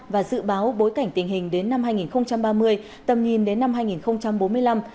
và dự báo bối cảnh tình hình đến năm hai nghìn ba mươi tầm nhìn đến năm hai nghìn bốn mươi năm